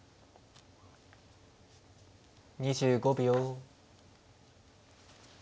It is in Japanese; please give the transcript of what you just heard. ２５秒。